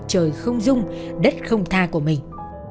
trời không dung đất không tha của mình